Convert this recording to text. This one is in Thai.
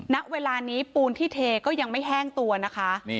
ณเวลานี้ปูนที่เทก็ยังไม่แห้งตัวนะคะ